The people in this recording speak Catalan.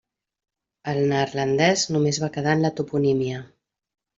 El neerlandès només va quedar en la toponímia.